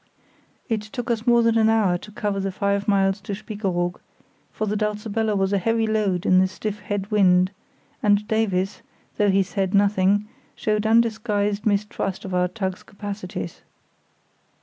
It took us more than an hour to cover the five miles to Spiekeroog, for the Dulcibella was a heavy load in the stiff head wind, and Davies, though he said nothing, showed undisguised distrust of our tug's capacities.